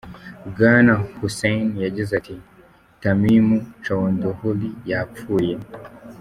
Bwana Hossain yagize ati: " Tamim Chowdhury yapfuye.